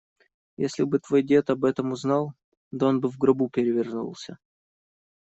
Если бы твой дед об этом узнал! Да он бы в гробу перевернулся!